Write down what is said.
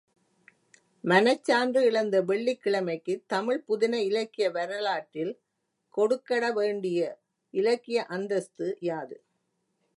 மனச்சான்று இழந்த வெள்ளிக்கிழமை க்கு தமிழ்ப் புதின இலக்கிய வரலாற்றில் கொடுக்கட வேண்டிய இலக்கிய அந்தஸ்து யாது?